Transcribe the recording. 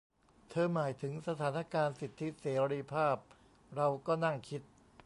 เธอหมายถึงสถานการณ์สิทธิเสรีภาพ เราก็นั่งคิด